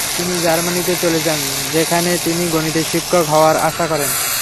তিনি জার্মানিতে চলে যান, যেখানে তিনি গণিতের শিক্ষক হওয়ার আশা করেন।